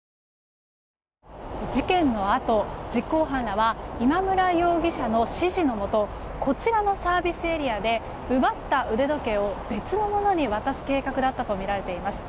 事件のあと実行犯らは今村容疑者の指示のもとこちらのサービスエリアで奪った腕時計を別の者に渡す計画だったとみられています。